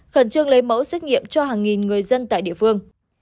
khẩn trương lấy mẫu xét nghiệm cho hàng nghìn người dân tại địa phương